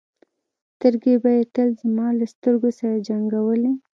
سترګې به یې تل زما له سترګو سره جنګولې.